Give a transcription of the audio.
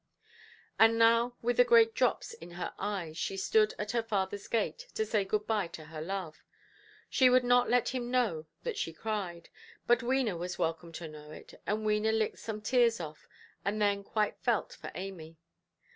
And now with the great drops in her eyes, she stood at her fatherʼs gate, to say good–bye to her love. She would not let him know that she cried; but Wena was welcome to know it, and Wena licked some tears off, and then quite felt for Amy.